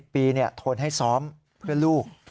๑๐ปีเนี่ยโทนให้ซ้อมเพื่อลูก